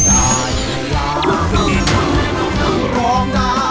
ร้องได้ให้ร้าง